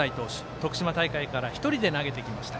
徳島大会から１人で投げてきました。